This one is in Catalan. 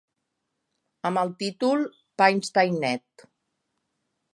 Amb el títol "Painstained".